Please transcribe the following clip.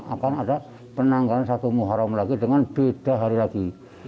akan ada penanggalan satu muharram lagi dengan beda hari lagi